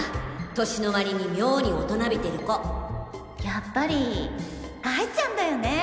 年の割に妙に大人びてる子やっぱり哀ちゃんだよ